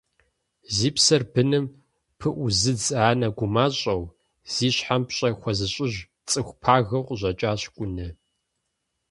Зи псэр быным пыӏузыдз анэ гумащӏэу, зи щхьэм пщӏэ хуэзыщӏыж цӏыху пагэу къыщӏэкӏащ Кӏунэ.